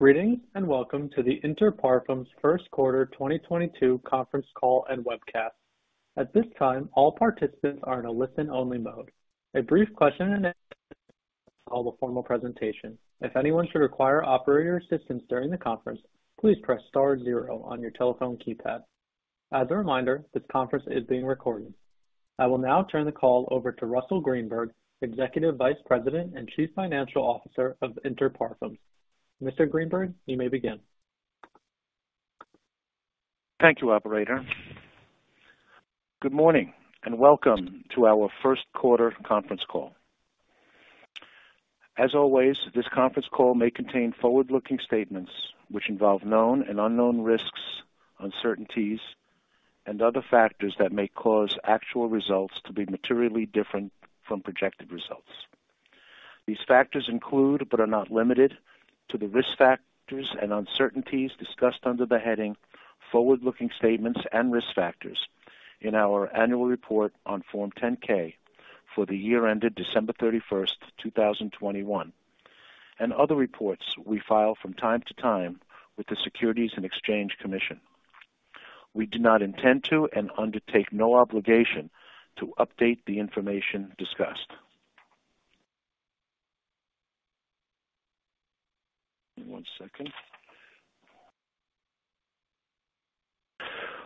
Greetings, and welcome to the Inter Parfums First Quarter 2022 Conference Call and Webcast. At this time, all participants are in a listen-only mode. A brief question-and-answer session will follow the formal presentation. If anyone should require operator assistance during the conference, please press star zero on your telephone keypad. As a reminder, this conference is being recorded. I will now turn the call over to Russell Greenberg, Executive Vice President and Chief Financial Officer of Inter Parfums. Mr. Greenberg, you may begin. Thank you, operator. Good morning and welcome to our first quarter conference call. As always, this conference call may contain forward-looking statements which involve known and unknown risks, uncertainties, and other factors that may cause actual results to be materially different from projected results. These factors include, but are not limited to, the risk factors and uncertainties discussed under the heading Forward-Looking Statements and Risk Factors in our annual report on Form 10-K for the year ended December 31, 2021, and other reports we file from time to time with the Securities and Exchange Commission. We do not intend to and undertake no obligation to update the information discussed. Give me one second.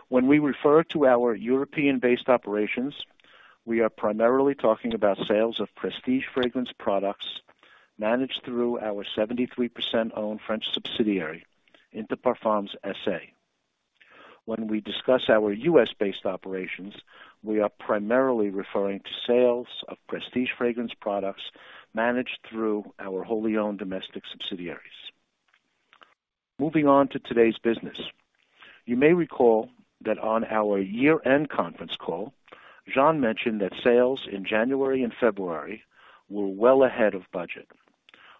When we refer to our European-based operations, we are primarily talking about sales of prestige fragrance products managed through our 73% owned French subsidiary, Interparfums SA. When we discuss our U.S.-based operations, we are primarily referring to sales of prestige fragrance products managed through our wholly owned domestic subsidiaries. Moving on to today's business. You may recall that on our year-end conference call, Jean mentioned that sales in January and February were well ahead of budget.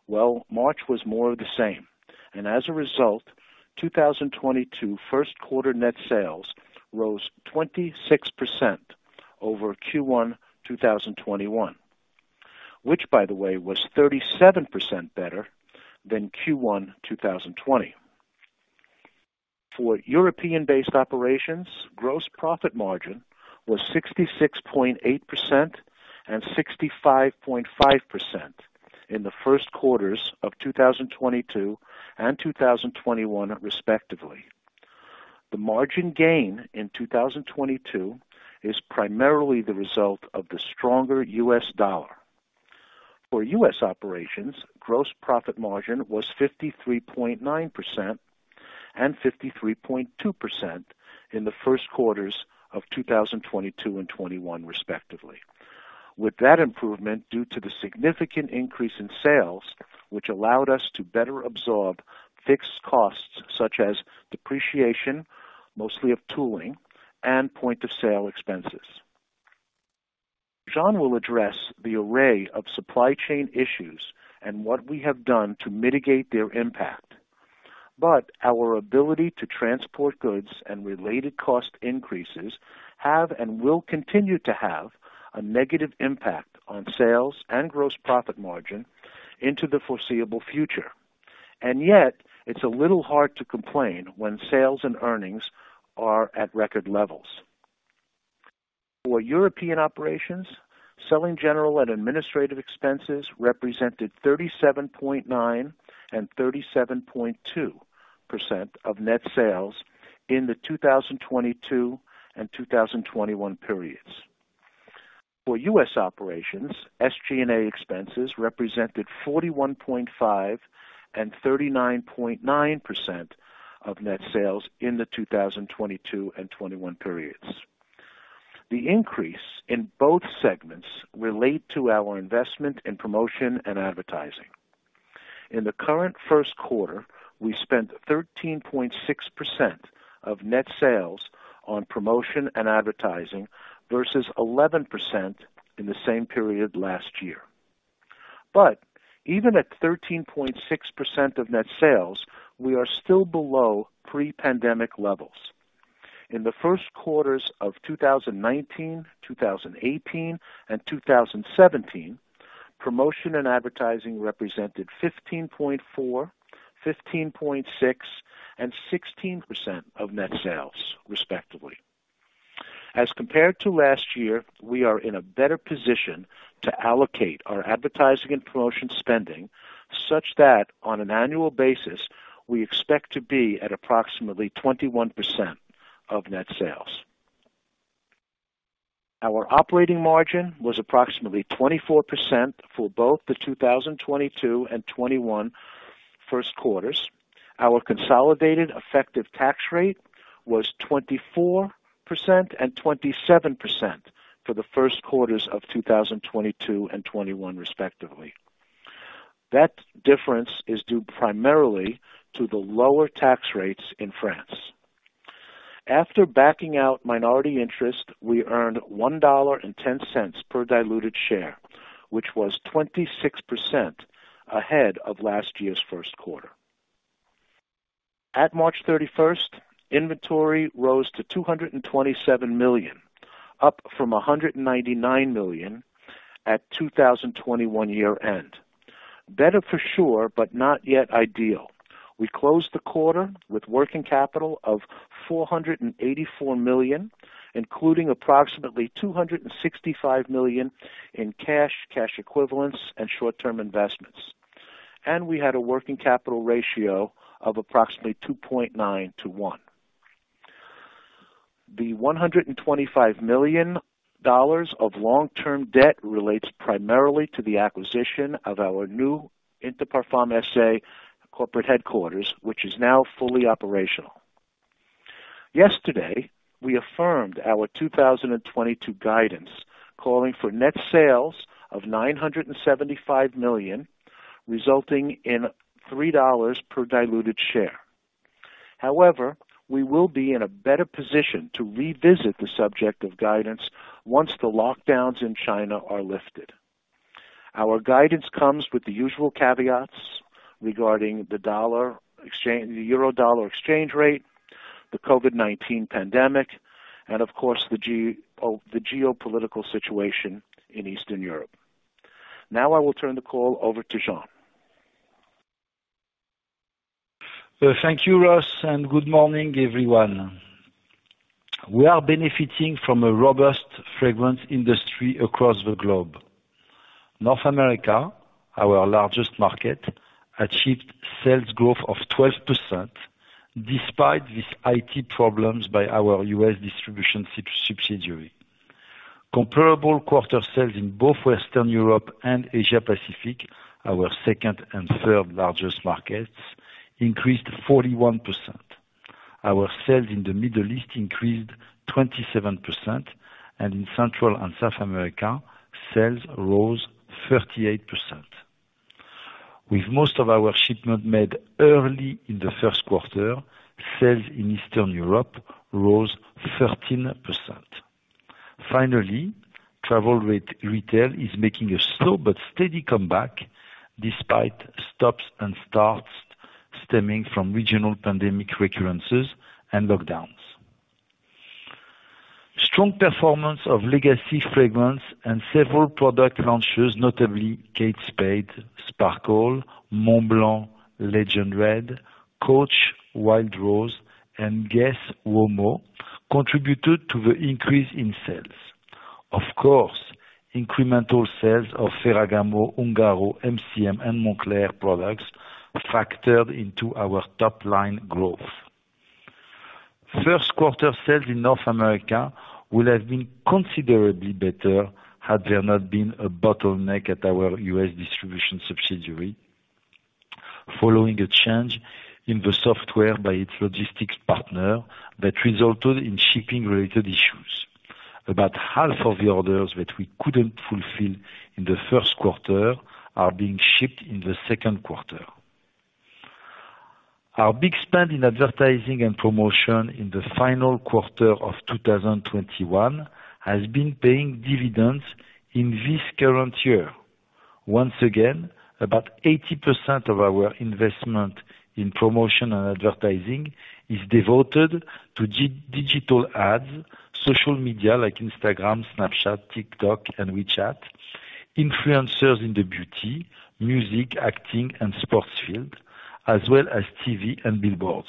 Well, March was more of the same, and as a result, 2022 first quarter net sales rose 26% over Q1 2021. Which, by the way, was 37% better than Q1 2020. For European-based operations, gross profit margin was 66.8% and 65.5% in the first quarters of 2022 and 2021, respectively. The margin gain in 2022 is primarily the result of the stronger U.S. dollar. For U.S. operations, gross profit margin was 53.9% and 53.2% in the first quarters of 2022 and 2021, respectively. With that improvement due to the significant increase in sales, which allowed us to better absorb fixed costs such as depreciation, mostly of tooling and point-of-sale expenses. Jean will address the array of supply chain issues and what we have done to mitigate their impact. Our ability to transport goods and related cost increases have and will continue to have a negative impact on sales and gross profit margin into the foreseeable future. Yet it's a little hard to complain when sales and earnings are at record levels. For European operations, selling, general and administrative expenses represented 37.9% and 37.2% of net sales in the 2022 and 2021 periods. For U.S. operations, SG&A expenses represented 41.5% and 39.9% of net sales in the 2022 and 2021 periods. The increase in both segments relate to our investment in promotion and advertising. In the current first quarter, we spent 13.6% of net sales on promotion and advertising versus 11% in the same period last year. Even at 13.6% of net sales, we are still below pre-pandemic levels. In the first quarters of 2019, 2018 and 2017, promotion and advertising represented 15.4%, 15.6% and 16% of net sales, respectively. As compared to last year, we are in a better position to allocate our advertising and promotion spending, such that on an annual basis, we expect to be at approximately 21% of net sales. Our operating margin was approximately 24% for both the 2022 and 2021 first quarters. Our consolidated effective tax rate was 24% and 27% for the first quarters of 2022 and 2021, respectively. That difference is due primarily to the lower tax rates in France. After backing out minority interest, we earned $1.10 per diluted share, which was 26% ahead of last year's first quarter. At March 31, inventory rose to $227 million, up from $199 million at 2021 year-end. Better for sure, but not yet ideal. We closed the quarter with working capital of $484 million, including approximately $265 million in cash equivalents, and short-term investments, and we had a working capital ratio of approximately 2.9:1. The $125 million of long-term debt relates primarily to the acquisition of our new Interparfums SA corporate headquarters, which is now fully operational. Yesterday, we affirmed our 2022 guidance, calling for net sales of $975 million, resulting in $3 per diluted share. However, we will be in a better position to revisit the subject of guidance once the lockdowns in China are lifted. Our guidance comes with the usual caveats regarding the euro/dollar exchange rate, the COVID-19 pandemic, and of course, the geopolitical situation in Eastern Europe. Now I will turn the call over to Jean. Thank you, Russell, and good morning, everyone. We are benefiting from a robust fragrance industry across the globe. North America, our largest market, achieved sales growth of 12% despite these IT problems by our U.S. distribution subsidiary. Comparable quarter sales in both Western Europe and Asia Pacific, our second and third largest markets, increased 41%. Our sales in the Middle East increased 27%, and in Central and South America, sales rose 38%. With most of our shipment made early in the first quarter, sales in Eastern Europe rose 13%. Finally, travel retail is making a slow but steady comeback, despite stops and starts stemming from regional pandemic recurrences and lockdowns. Strong performance of legacy fragrance and several product launches, notably kate spade new york Sparkle, Montblanc Legend Red, Coach Wild Rose, and GUESS Uomo, contributed to the increase in sales. Of course, incremental sales of Ferragamo, Emmanuel Ungaro, MCM, and Moncler products factored into our top line growth. First quarter sales in North America would have been considerably better had there not been a bottleneck at our U.S. distribution subsidiary following a change in the software by its logistics partner that resulted in shipping related issues. About half of the orders that we couldn't fulfill in the first quarter are being shipped in the second quarter. Our big spend in advertising and promotion in the final quarter of 2021 has been paying dividends in this current year. Once again, about 80% of our investment in promotion and advertising is devoted to digital ads, social media like Instagram, Snapchat, TikTok and WeChat, influencers in the beauty, music, acting and sports field, as well as TV and billboards.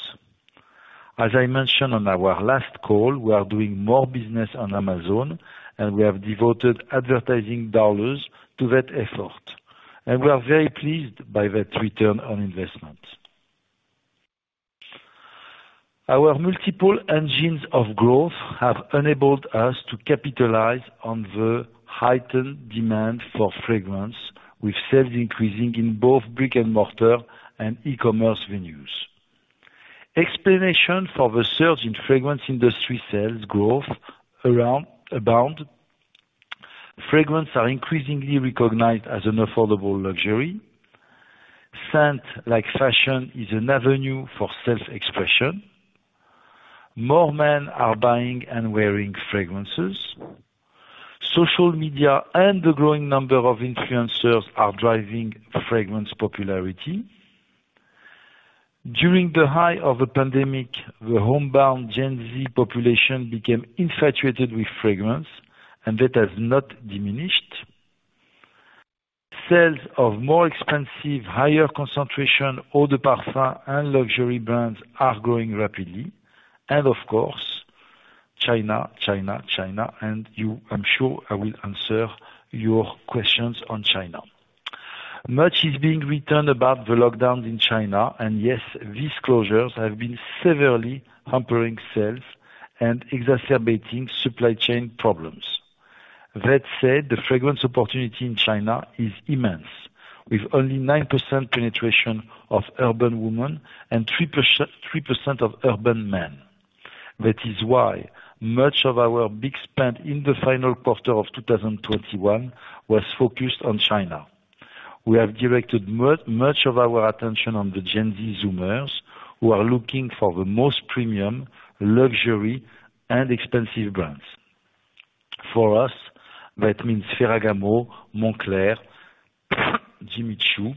As I mentioned on our last call, we are doing more business on Amazon, and we have devoted advertising dollars to that effort, and we are very pleased by that return on investment. Our multiple engines of growth have enabled us to capitalize on the heightened demand for fragrance, with sales increasing in both brick-and-mortar and e-commerce venues. Explanations for the surge in fragrance industry sales growth abound. Fragrances are increasingly recognized as an affordable luxury. Scent, like fashion, is an avenue for self-expression. More men are buying and wearing fragrances. Social media and the growing number of influencers are driving fragrance popularity. During the height of the pandemic, the homebound Gen Z population became infatuated with fragrance, and that has not diminished. Sales of more expensive, higher concentration Eau de Parfum and luxury brands are growing rapidly. Of course, China, and you, I'm sure I will answer your questions on China. Much is being written about the lockdowns in China, and yes, these closures have been severely hampering sales and exacerbating supply chain problems. That said, the fragrance opportunity in China is immense, with only 9% penetration of urban women and 3% of urban men. That is why much of our big spend in the final quarter of 2021 was focused on China. We have directed much of our attention on the Gen Z zoomers who are looking for the most premium, luxury, and expensive brands. For us, that means Ferragamo, Moncler, Jimmy Choo,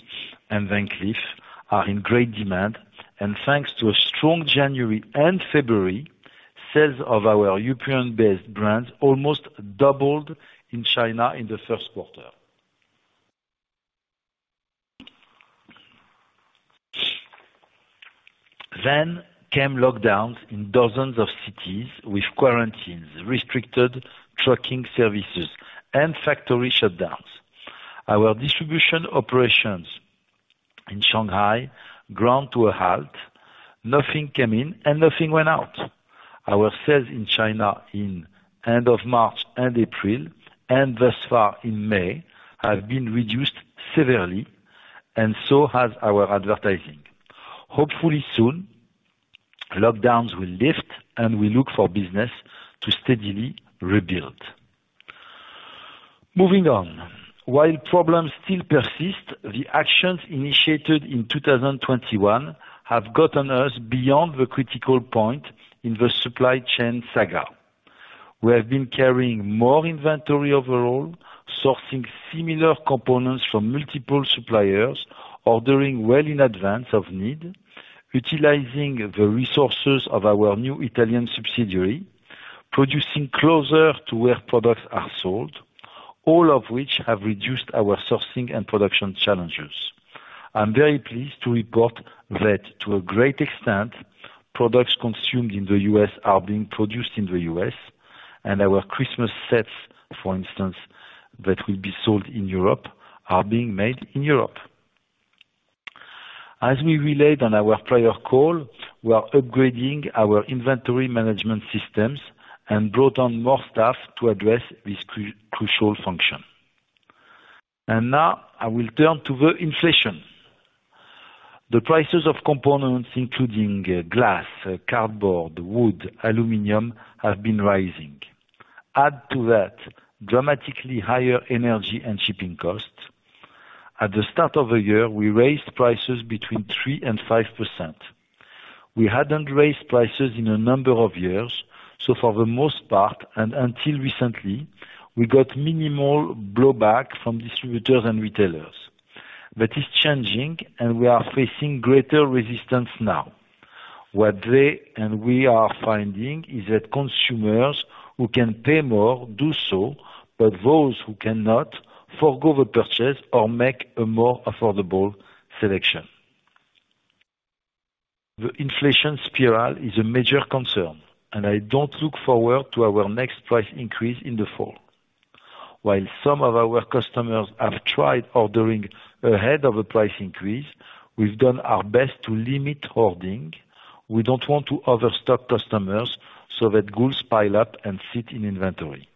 and Van Cleef & Arpels are in great demand. Thanks to a strong January and February, sales of our European-based brands almost doubled in China in the first quarter. Came lockdowns in dozens of cities with quarantines, restricted trucking services, and factory shutdowns. Our distribution operations in Shanghai ground to a halt. Nothing came in and nothing went out. Our sales in China at the end of March and April, and thus far in May, have been reduced severely, and so has our advertising. Hopefully soon, lockdowns will lift, and we look for business to steadily rebuild. Moving on. While problems still persist, the actions initiated in 2021 have gotten us beyond the critical point in the supply chain saga. We have been carrying more inventory overall, sourcing similar components from multiple suppliers, ordering well in advance of need, utilizing the resources of our new Italian subsidiary, producing closer to where products are sold, all of which have reduced our sourcing and production challenges. I'm very pleased to report that to a great extent, products consumed in the U.S. are being produced in the U.S., and our Christmas sets, for instance, that will be sold in Europe are being made in Europe. As we relayed on our prior call, we are upgrading our inventory management systems and brought on more staff to address this crucial function. Now I will turn to the inflation. The prices of components including glass, cardboard, wood, aluminum, have been rising. Add to that dramatically higher energy and shipping costs. At the start of the year, we raised prices between 3% and 5%. We hadn't raised prices in a number of years, so for the most part, and until recently, we got minimal blowback from distributors and retailers. That is changing, and we are facing greater resistance now. What they and we are finding is that consumers who can pay more do so, but those who cannot forgo the purchase or make a more affordable selection. The inflation spiral is a major concern, and I don't look forward to our next price increase in the fall. While some of our customers have tried ordering ahead of a price increase, we've done our best to limit hoarding. We don't want to overstock customers so that goods pile up and sit in inventory.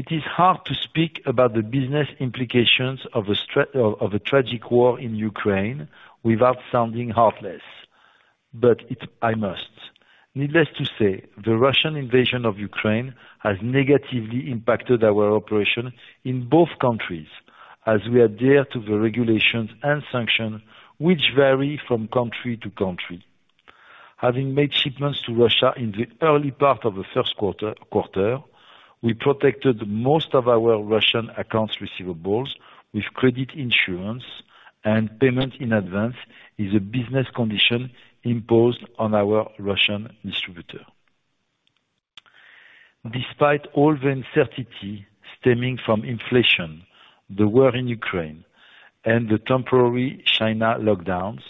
It is hard to speak about the business implications of a tragic war in Ukraine without sounding heartless. I must. Needless to say, the Russian invasion of Ukraine has negatively impacted our operation in both countries as we adhere to the regulations and sanctions which vary from country to country. Having made shipments to Russia in the early part of the first quarter, we protected most of our Russian accounts receivable with credit insurance and payment in advance is a business condition imposed on our Russian distributor. Despite all the uncertainty stemming from inflation, the war in Ukraine, and the temporary China lockdowns,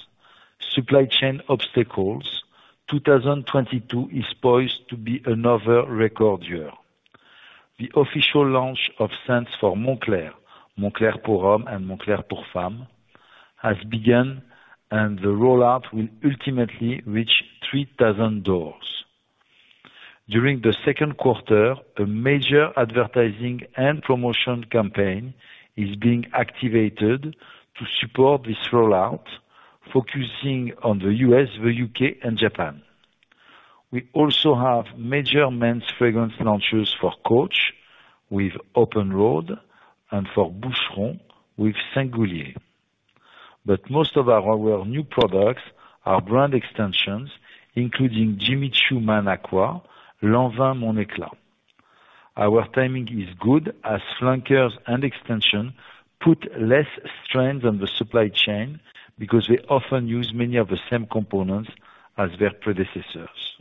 supply chain obstacles, 2022 is poised to be another record year. The official launch of scents for Moncler, Moncler Pour Homme and Moncler Pour Femme, has begun, and the rollout will ultimately reach 3,000 doors. During the second quarter, a major advertising and promotion campaign is being activated to support this rollout, focusing on the U.S., the U.K., and Japan. We also have major men's fragrance launches for Coach with Open Road and for Boucheron with Singulier. Most of our new products are brand extensions, including Jimmy Choo Man Aqua, Lanvin Mon Éclat. Our timing is good as flankers and extensions put less strain on the supply chain because they often use many of the same components as their predecessors.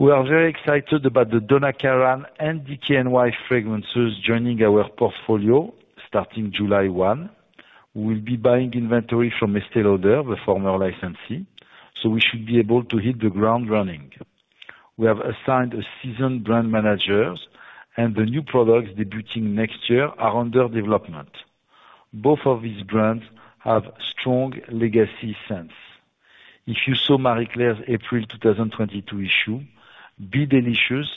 We are very excited about the Donna Karan and DKNY fragrances joining our portfolio starting July 1. We'll be buying inventory from a stakeholder, the former licensee, so we should be able to hit the ground running. We have assigned a seasoned brand managers and the new products debuting next year are under development. Both of these brands have strong legacy scents. If you saw Marie Claire's April 2022 issue, Be Delicious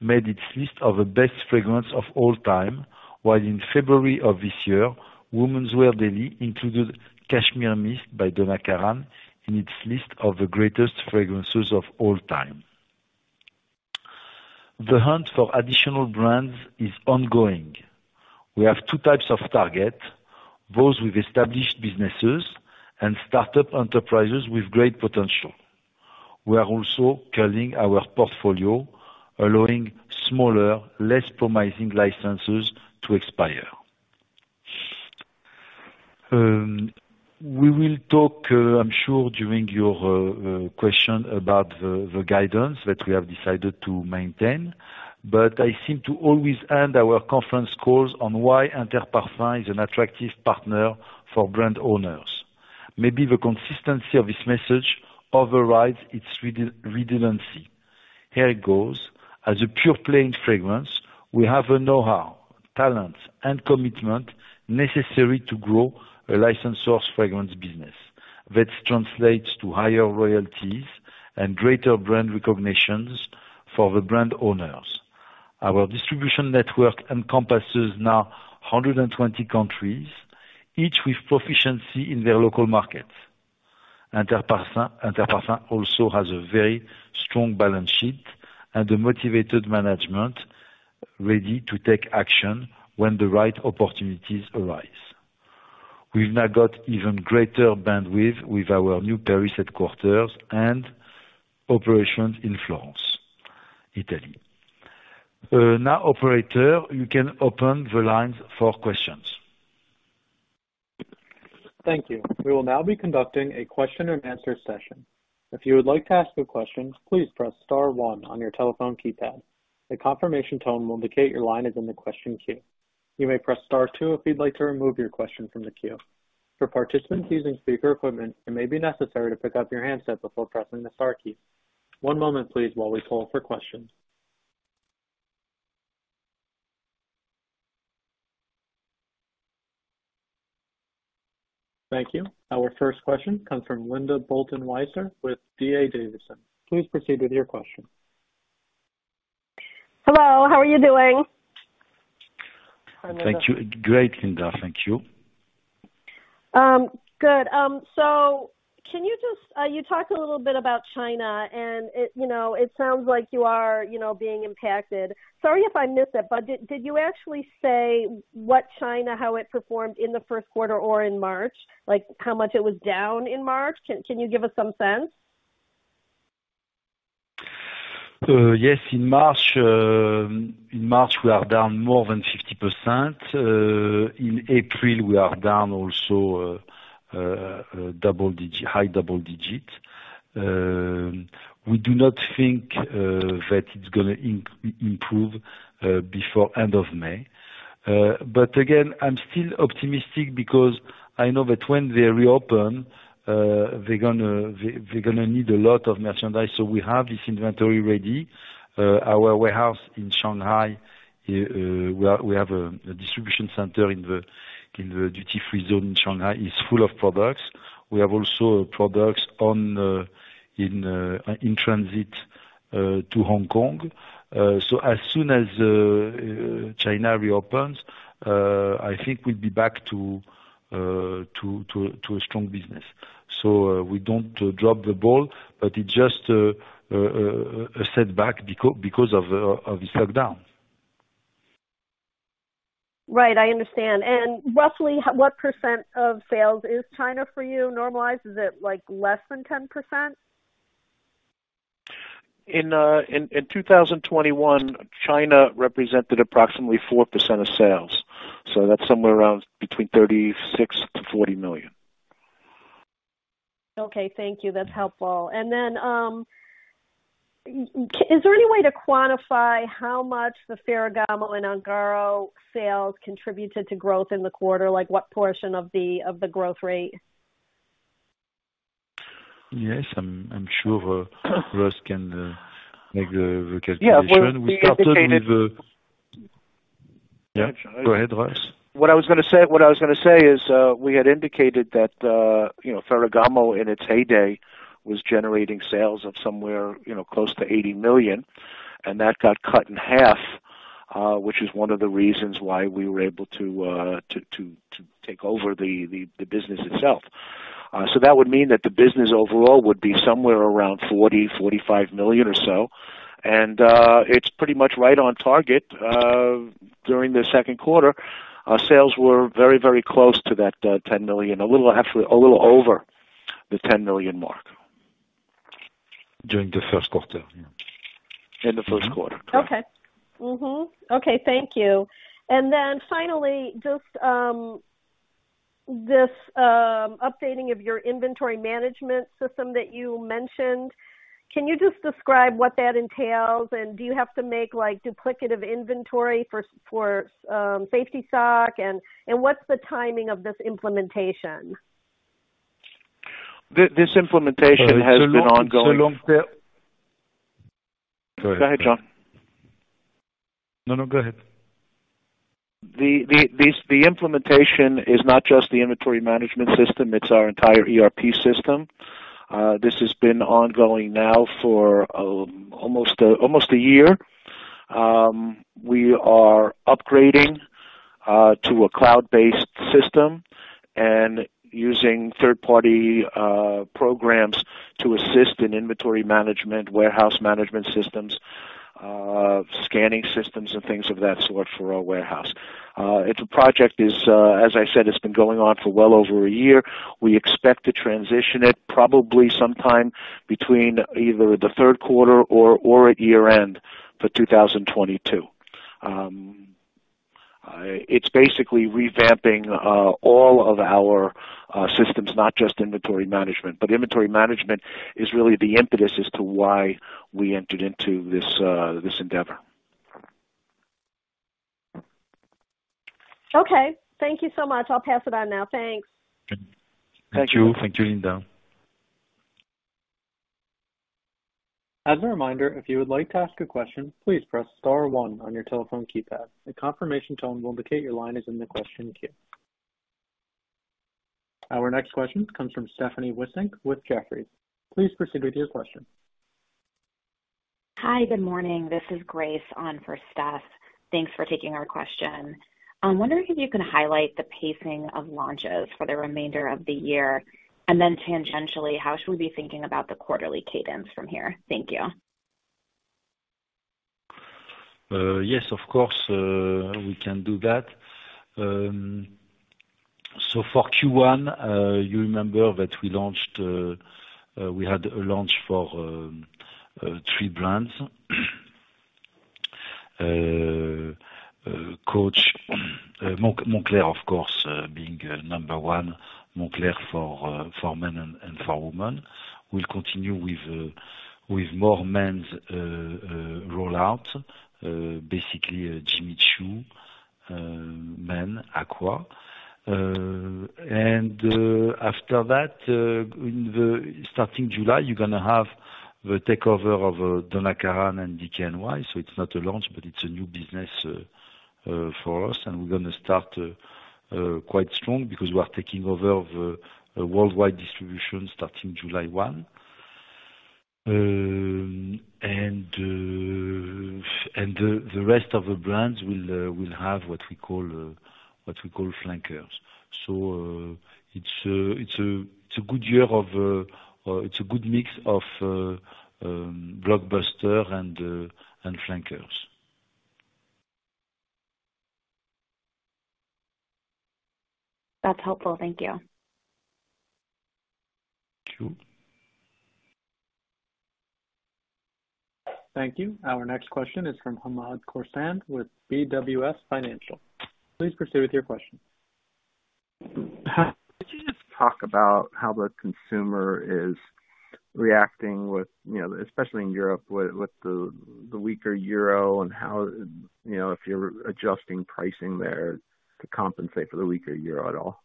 made its list of the best fragrance of all time. While in February of this year, Women's Wear Daily included Cashmere Mist by Donna Karan in its list of the greatest fragrances of all time. The hunt for additional brands is ongoing. We have two types of target, those with established businesses and start-up enterprises with great potential. We are also cutting our portfolio, allowing smaller, less promising licenses to expire. We will talk, I'm sure during your question about the guidance that we have decided to maintain. I seem to always end our conference calls on why Inter Parfums is an attractive partner for brand owners. Maybe the consistency of this message overrides its redundancy. Here it goes. As a pure-play fragrance, we have a know-how, talent and commitment necessary to grow a licensor's fragrance business that translates to higher royalties and greater brand recognition for the brand owners. Our distribution network encompasses now 120 countries, each with proficiency in their local markets. Inter Parfums also has a very strong balance sheet and a motivated management ready to take action when the right opportunities arise. We've now got even greater bandwidth with our new Paris headquarters and operations in Florence, Italy. Now, operator, you can open the lines for questions. Thank you. We will now be conducting a question and answer session. If you would like to ask a question, please press star one on your telephone keypad. A confirmation tone will indicate your line is in the question queue. You may press star two if you'd like to remove your question from the queue. For participants using speaker equipment, it may be necessary to pick up your handset before pressing the star key. One moment, please, while we call for questions. Thank you. Our first question comes from Linda Bolton Weiser with D.A. Davidson. Please proceed with your question. Hello, how are you doing? Thank you. Great, Linda. Thank you. Good. Can you just you talked a little bit about China, and it, you know, it sounds like you are, you know, being impacted. Sorry if I missed it, but did you actually say what China, how it performed in the first quarter or in March? Like, how much it was down in March? Can you give us some sense? Yes. In March, we are down more than 50%. In April, we are down also high double-digit %. We do not think that it's gonna improve before end of May. Again, I'm still optimistic because I know that when they reopen, they're gonna need a lot of merchandise. We have this inventory ready. Our warehouse in Shanghai, we have a distribution center in the duty-free zone in Shanghai, is full of products. We have also products in transit to Hong Kong. As soon as China reopens, I think we'll be back to a strong business. We don't drop the ball, but it's just a setback because of the lockdown. Right. I understand. Roughly, what percent of sales is China for you normalized? Is it, like, less than 10%? In 2021, China represented approximately 4% of sales, so that's somewhere around between $36 million-$40 million. Okay. Thank you. That's helpful. Is there any way to quantify how much the Ferragamo and Emmanuel Ungaro sales contributed to growth in the quarter? Like, what portion of the growth rate? Yes. I'm sure Russell can make the recalculation. Yeah. We've indicated. We started with. Yeah, go ahead, Russell. What I was gonna say is, we had indicated that, you know, Ferragamo in its heyday was generating sales of somewhere, you know, close to $80 million, and that got cut in half, which is one of the reasons why we were able to take over the business itself. So that would mean that the business overall would be somewhere around $40-$45 million or so. It's pretty much right on target. During the second quarter, our sales were very close to that $10 million. A little, actually, a little over the $10 million mark. During the first quarter, yeah. In the first quarter. Thank you. Finally, just this updating of your inventory management system that you mentioned, can you just describe what that entails? Do you have to make, like, duplicative inventory for safety stock? What's the timing of this implementation? This implementation has been ongoing. It's a long. Go ahead, Jean. No, no, go ahead. The implementation is not just the inventory management system. It's our entire ERP system. This has been ongoing now for almost a year. We are upgrading to a cloud-based system using third party programs to assist in inventory management, warehouse management systems, scanning systems and things of that sort for our warehouse. It's a project, as I said. It's been going on for well over a year. We expect to transition it probably sometime between either the third quarter or at year-end for 2022. It's basically revamping all of our systems, not just inventory management. Inventory management is really the impetus as to why we entered into this endeavor. Okay, thank you so much. I'll pass it on now. Thanks. Thank you. Thank you. Thank you, Linda. As a reminder, if you would like to ask a question, please press star one on your telephone keypad. A confirmation tone will indicate your line is in the question queue. Our next question comes from Stephanie Wissink with Jefferies. Please proceed with your question. Hi, good morning. This is Grace on for Steph. Thanks for taking our question. I'm wondering if you can highlight the pacing of launches for the remainder of the year. Tangentially, how should we be thinking about the quarterly cadence from here? Thank you. Yes, of course, we can do that. For Q1, you remember that we launched, we had a launch for three brands. Coach, Moncler, of course, being number one, Moncler for men and for women. We'll continue with more men's rollout, basically Jimmy Choo Man Aqua. After that, in the starting July, you're gonna have the takeover of Donna Karan and DKNY. It's not a launch, but it's a new business for us. We're gonna start quite strong because we are taking over the worldwide distribution starting July 1. The rest of the brands will have what we call flankers. It's a good mix of blockbuster and flankers. That's helpful. Thank you. Thank you. Thank you. Our next question is from Hamed Khorsand with BWS Financial. Please proceed with your question. Could you just talk about how the consumer is reacting with, you know, especially in Europe with the weaker euro and how, you know, if you're adjusting pricing there to compensate for the weaker euro at all?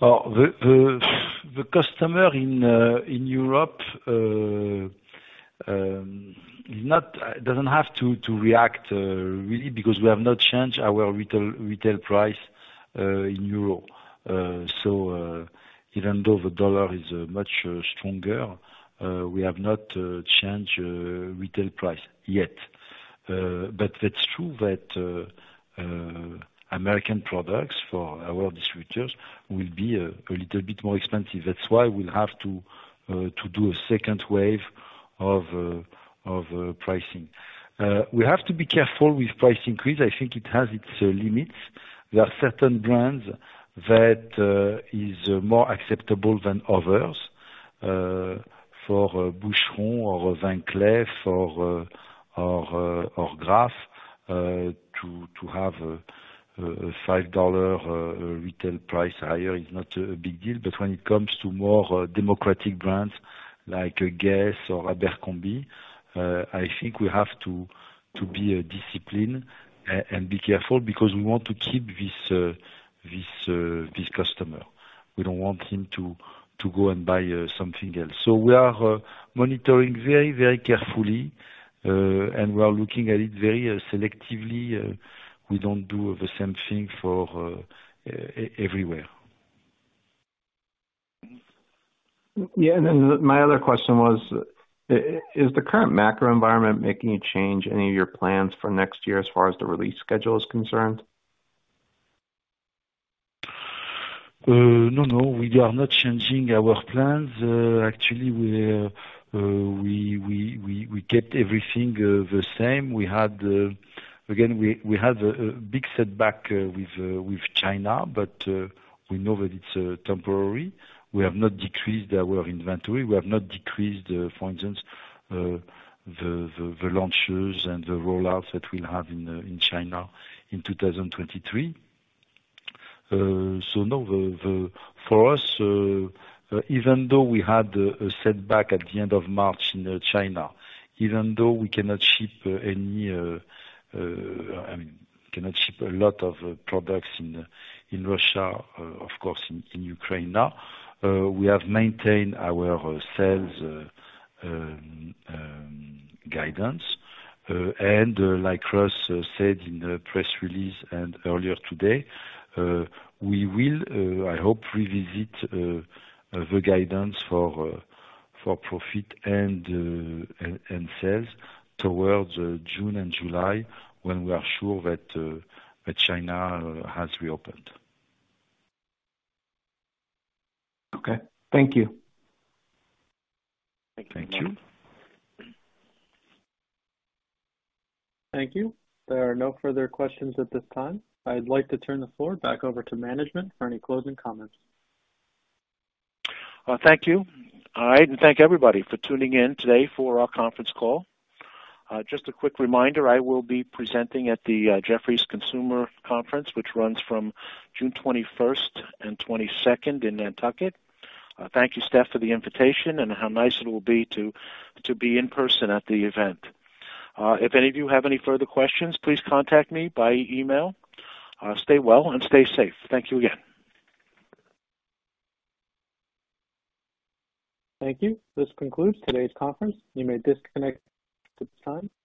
The customer in Europe doesn't have to react really because we have not changed our retail price in euro. Even though the dollar is much stronger, we have not changed retail price yet. It's true that American products for our distributors will be a little bit more expensive. That's why we'll have to do a second wave of pricing. We have to be careful with price increase. I think it has its limits. There are certain brands that is more acceptable than others. For Boucheron, or Van Cleef & Arpels, or Graff, to have a $5 retail price higher is not a big deal. When it comes to more democratic brands like GUESS or Abercrombie & Fitch, I think we have to be disciplined and be careful because we want to keep this customer. We don't want him to go and buy something else. We are monitoring very, very carefully, and we are looking at it very selectively. We don't do the same thing everywhere. Yeah. Then my other question was, is the current macro environment making you change any of your plans for next year as far as the release schedule is concerned? No, we are not changing our plans. Actually, we kept everything the same. We had, again, a big setback with China, but we know that it's temporary. We have not decreased our inventory. We have not decreased, for instance, the launches and the rollouts that we'll have in China in 2023. For us, even though we had a setback at the end of March in China, even though we cannot ship any, I mean, cannot ship a lot of products in Russia, of course, in Ukraine now, we have maintained our sales guidance. Like Russ said in the press release and earlier today, we will, I hope, revisit the guidance for profit and sales towards June and July when we are sure that China has reopened. Okay. Thank you. Thank you. Thank you. There are no further questions at this time. I'd like to turn the floor back over to management for any closing comments. Thank you. All right, thank everybody for tuning in today for our conference call. Just a quick reminder, I will be presenting at the Jefferies Consumer Conference, which runs from June 21st and twenty-second in Nantucket. Thank you, Steph, for the invitation and how nice it will be to be in person at the event. If any of you have any further questions, please contact me by email. Stay well and stay safe. Thank you again. Thank you. This concludes today's conference. You may disconnect at this time. Thank you.